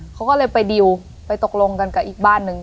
เขาก็เลยไปดิวไปตกลงกันกับอีกบ้านนึง